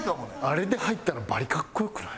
あれで入ったらバリ格好良くない？